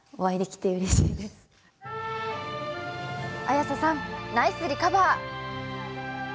綾瀬さん、ナイスリカバー